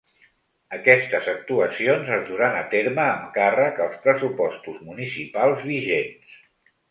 Aquestes actuacions es duran a terme amb càrrec als pressupostos municipals vigents.